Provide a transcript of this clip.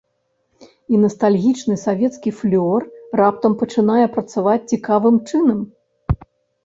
І настальгічны савецкі флёр раптам пачынае працаваць цікавым чынам.